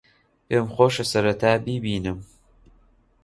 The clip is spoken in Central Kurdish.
پێم خۆشە سەرەتا بیبینم.